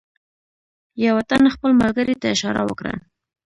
یوه تن خپل ملګري ته اشاره وکړه.